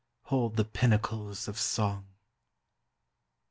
hold The pinnacles of song.